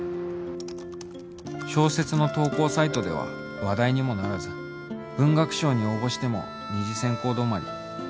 小説の投稿サイトでは話題にもならず文学賞に応募しても二次選考止まり